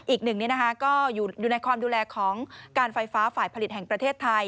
อีกหนึ่งก็อยู่ในความดูแลของการไฟฟ้าฝ่ายผลิตแห่งประเทศไทย